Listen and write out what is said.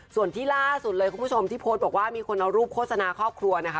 ส่วนที่ล่าสุดเลยคุณผู้ชมที่โพสต์บอกว่ามีคนเอารูปโฆษณาครอบครัวนะคะ